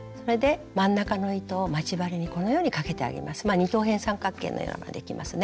二等辺三角形の山ができますね。